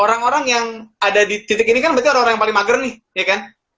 orang orang yang ada di titik ini kan berarti orang orang yang paling mager nih ya kan